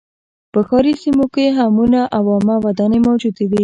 په ښاري سیمو کې حمونه او عامه ودانۍ موجودې وې